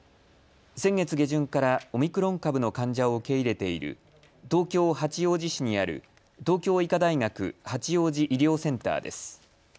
先月下旬からオミクロン株の患者を受け入れている東京八王子市にある東京医科大学八王子医療センターです。